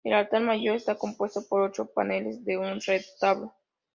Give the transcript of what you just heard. El altar mayor está compuesto por ocho paneles de un retablo.